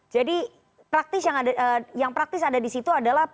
jadi praktis yang ada yang praktis ada di situ adalah